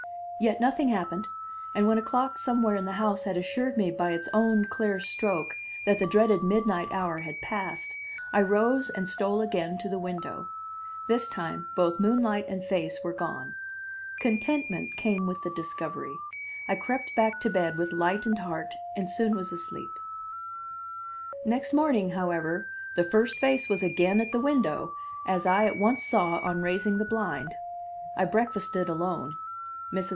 Yet nothing happened, and when a clock somewhere in the house had assured me by its own clear stroke that the dreaded midnight hour had passed I rose and stole again to the window. This time both moonlight and face were gone. Contentment came with the discovery. I crept back to bed with lightened heart and soon was asleep. Next morning, however, the first face was again at the window, as I at once saw on raising the blind. I breakfasted alone. Mrs.